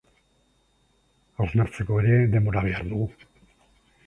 Hausnartzeko ere denbora behar dugu.